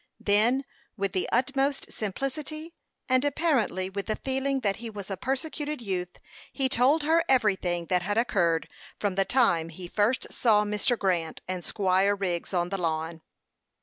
Then, with the utmost simplicity, and apparently with the feeling that he was a persecuted youth, he told her everything that had occurred from the time he first saw Mr. Grant and Squire Wriggs on the lawn.